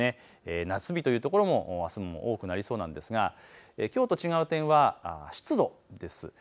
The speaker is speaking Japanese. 夏日という所もあすも多くなりそうですがきょうと違う点は湿度です。